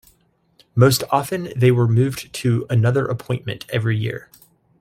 Most often they were moved to another appointment every year.